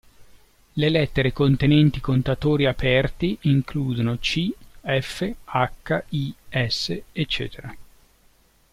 Le lettere contenenti contatori aperti includono c, f, h, i, s ecc.